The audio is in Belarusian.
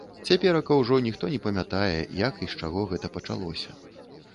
Цяперака ўжо ніхто не памятае, як і з чаго гэта пачалося.